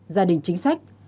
gia đình chính sách